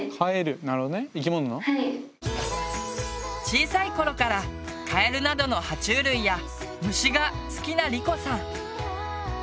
小さい頃からカエルなどの爬虫類や虫が好きなりこさん。